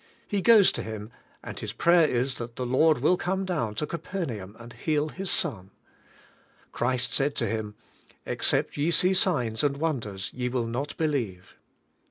He goes to Him, and his prayer is that the Lord will come down to Capernaum and heal his son. Christ said to him, "Except ye see signs and wonders, ye will not believe."